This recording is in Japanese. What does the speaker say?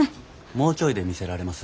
もうちょいで見せられます。